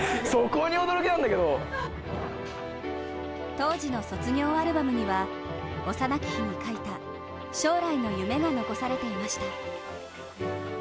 当時の卒業アルバムには幼き日に書いた将来の夢が残されていました。